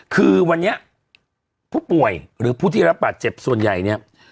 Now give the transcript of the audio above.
คือวันนี้ผู้ป่วยหรือผู้ที่รับบาดเจ็บส่วนใหญ่เนี่ย